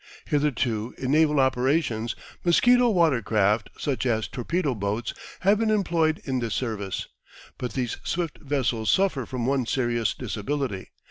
Hitherto, in naval operations, mosquito water craft, such as torpedo boats, have been employed in this service. But these swift vessels suffer from one serious disability.